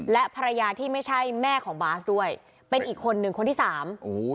และภรรยาที่ไม่ใช่แม่ของบาสด้วยเป็นอีกคนหนึ่งคนที่สามโอ้โห